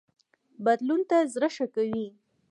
بدلون ته زړه ښه کوي